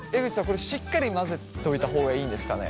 これしっかり混ぜといた方がいいんですかね？